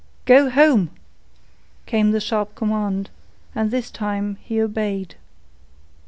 "Go home!" came the sharp command, and this time he obeyed.